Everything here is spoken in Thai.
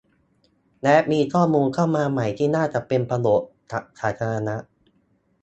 และมีข้อมูลเข้ามาใหม่ที่น่าจะเป็นประโยชน์กับสาธารณะ